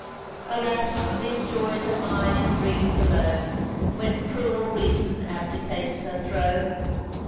Alas! these joys are mine in dreams alone, When cruel Reason abdicates her throne!